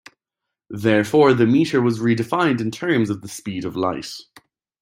Therefore, the metre was redefined in terms of the speed of light.